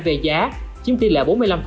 về giá chiếm tỷ lệ bốn mươi năm